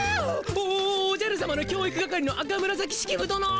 おおおおじゃるさまの教育係の赤紫式部どの。